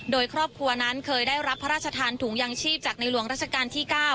โดยครอบครัวนั้นเคยได้รับพระราชทานถุงยังชีพจากในหลวงราชการที่๙